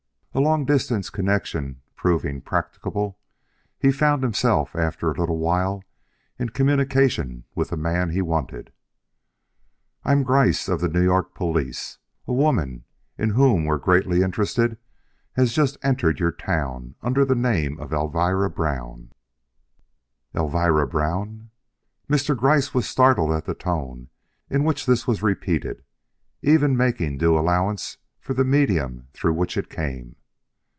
A long distance connection proving practicable, he found himself after a little while in communication with the man he wanted. "I'm Gryce, of the New York police. A woman in whom we're greatly interested has just entered your town under the name of Elvira Brown." "Elvira Brown!" Mr. Gryce was startled at the tone in which this was repeated, even making due allowance for the medium through which it came.